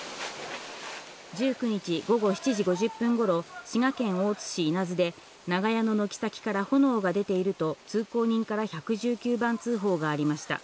１９日午後７時５０分ごろ、滋賀県大津市稲津で、長屋の軒先から炎が出ていると、通行人から１１９番通報がありました。